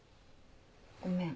ごめん。